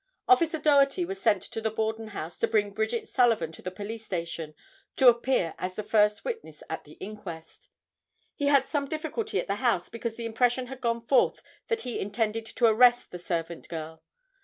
Officer Doherty was sent to the Borden house to bring Bridget Sullivan to the police station to appear as the first witness at the inquest. He had some difficulty at the house because the impression had gone forth that he intended to arrest the servant girl.